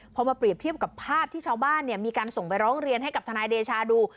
พอมาเปรียบเทียบกับภาพที่ชาวบ้านมีการส่งไปร้องเรียนให้กับทนายเดชาดู